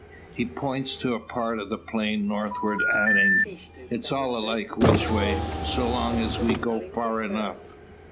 He points to a part of the plain northward, adding: "It's all alike which way, so long's we go far enough."